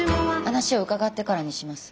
話を伺ってからにします。